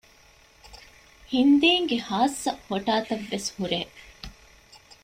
ހިންދީންގެ ޚާއްސަ ހޮޓާތައް ވެސް ހުރޭ